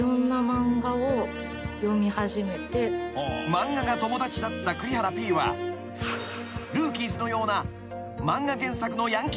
［漫画が友達だった栗原Ｐは『ＲＯＯＫＩＥＳ』のような］